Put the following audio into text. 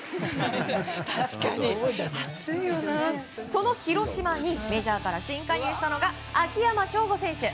その広島にメジャーから新加入したのが秋山翔吾選手。